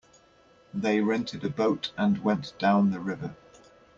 They rented a boat and went down the river.